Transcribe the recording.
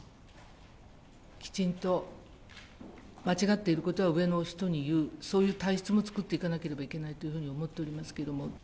きちんと間違っていることは上の人に言う、そういう体質も作っていかなければいけないというふうに思っておりますけども。